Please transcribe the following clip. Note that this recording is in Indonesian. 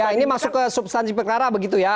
ya ini masuk ke substansi pekara begitu ya